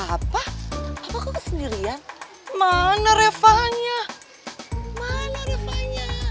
ah papa papa kok kesendirian mana refahnya mana refahnya